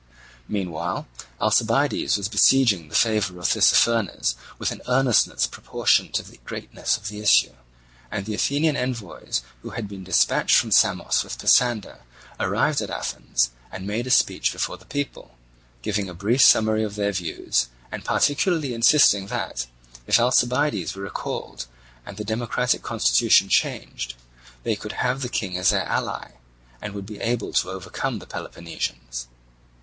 While Alcibiades was besieging the favour of Tissaphernes with an earnestness proportioned to the greatness of the issue, the Athenian envoys who had been dispatched from Samos with Pisander arrived at Athens, and made a speech before the people, giving a brief summary of their views, and particularly insisting that, if Alcibiades were recalled and the democratic constitution changed, they could have the King as their ally, and would be able to overcome the Peloponnesians.